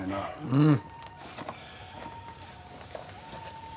うん。